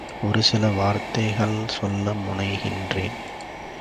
ஒரு சில வார்த்தைகள் சொல்ல முனைகின்றேன்.